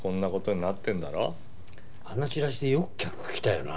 チラシでよく客来たよな。